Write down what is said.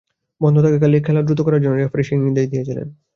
বন্ধ থাকা খেলা দ্রুত শুরু করার জন্যই রেফারি সেই নির্দেশ দিয়েছিলেন।